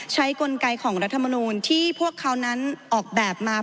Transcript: กลไกของรัฐมนูลที่พวกเขานั้นออกแบบมา